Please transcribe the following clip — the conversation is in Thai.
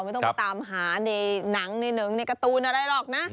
ไม่ต้องไปตามหาในหนังในหนังในการ์ตูนอะไรหรอกนะ